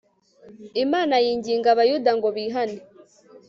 imana yinginga abayuda ngo bihane